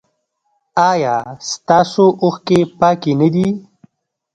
ایا ستاسو اوښکې پاکې نه دي؟